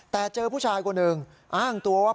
แต่เจอผู้ชายคนหนึ่งอ้างตัวว่า